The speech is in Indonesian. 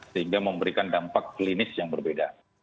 menjadikan dampak klinis yang berbeda